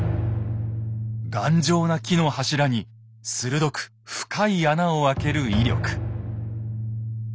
頑丈な木の柱に鋭く深い穴を開ける威力。